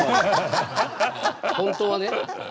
本当はね。